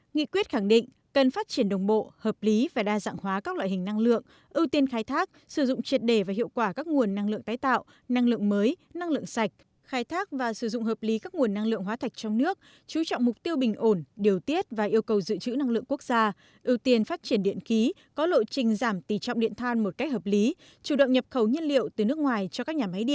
nghị quyết khẳng định cần phát triển đồng bộ hợp lý và đa dạng hóa các loại hình năng lượng ưu tiên khai thác sử dụng triệt đề và hiệu quả các nguồn năng lượng tái tạo năng lượng mới năng lượng sạch khai thác và sử dụng hợp lý các nguồn năng lượng hóa thạch trong nước chú trọng mục tiêu bình ổn điều tiết và yêu cầu giữ chữ năng lượng quốc gia ưu tiên phát triển điện ký có lộ trình giảm tỷ trọng điện than một cách hợp lý chủ động nhập khẩu nhân liệu từ nước ngoài cho các nhà